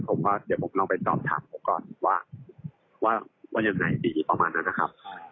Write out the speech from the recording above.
ผมว่าเดี๋ยวผมลองไปสอบถามผมก่อนว่ายังไงดีประมาณนั้นนะครับ